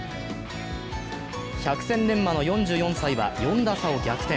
百戦錬磨の４４歳は４打差を逆転。